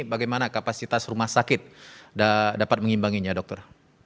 bagaimana kapasitas rumah sakit dapat mengimbanginya dokter